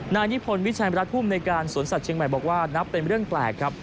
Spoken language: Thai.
นายนิพนธวิชัยมรัฐภูมิในการสวนสัตวเชียงใหม่บอกว่านับเป็นเรื่องแปลกครับ